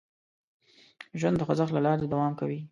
ژوند د خوځښت له لارې دوام کوي.